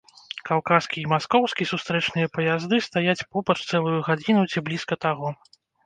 Каўказскі і маскоўскі сустрэчныя паязды стаяць побач цэлую гадзіну ці блізка таго.